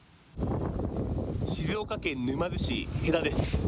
静岡県沼津市戸田です。